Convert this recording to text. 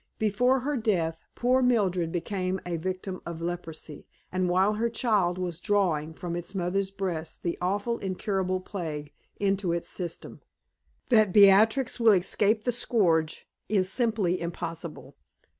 Before her death, poor Mildred became a victim of leprosy, and while her child was drawing from its mother's breast the awful, incurable plague into its system. That Beatrix will escape the scourge is simply impossible.